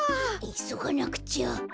いそがなくちゃ。